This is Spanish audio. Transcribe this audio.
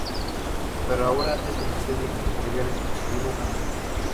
Pero ahora es compatible con cualquier dispositivo Android.